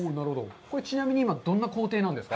これちなみに今どんな工程なんですか？